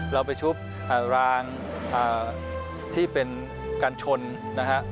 เราไปชุบรางที่เป็นกัญชนนะครับ